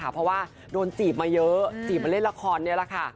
เพราะว่าโดนจีบมาเยอะจีบมาเล่นละครนี่แหละค่ะ